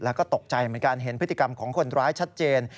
แล้วก็ตกใจเหมือนกันเห็นพฤติกรรมของคนร้ายชัดเจน